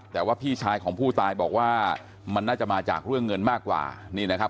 แต่ว่าพี่ชายของผู้ตายบอกว่ามันน่าจะมาจากเรื่องเงินมากกว่านี่นะครับ